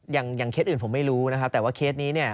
อย่างเคสอื่นผมไม่รู้นะครับแต่ว่าเคสนี้เนี่ย